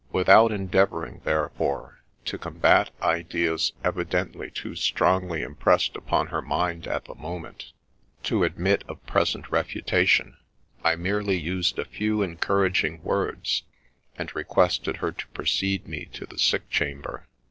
Without endeavouring, therefore, to combat ideas, evidently too strongly impressed upon her mind at the moment to admit of present refutation, I merely used a few encouraging words, and requested her to precede me to the sick chamber.